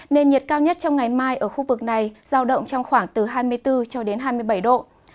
nền nhiệt cao nhất trong ngày mai ở khu vực này giao động trong khoảng từ hai mươi bốn cho đến hai mươi bảy độ